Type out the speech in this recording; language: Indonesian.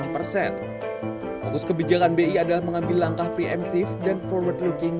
fokus kebijakan bi adalah mengambil langkah preemptif dan forward looking